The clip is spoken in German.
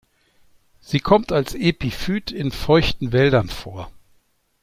Sie kommt als Epiphyt in feuchten Wäldern vor.